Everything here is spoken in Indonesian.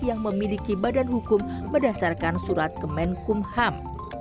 yang memiliki badan hukum berdasarkan surat kemenkum ham